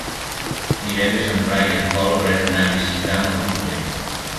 Divendres en Blai i en Pol volen anar a visitar mon oncle.